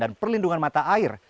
dan perlindungan mata air